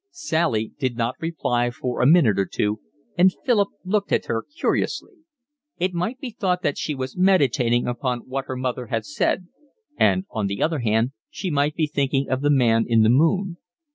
Sally did not reply for a minute or two, and Philip looked at her curiously: it might be thought that she was meditating upon what her mother had said, and on the other hand she might be thinking of the man in the moon.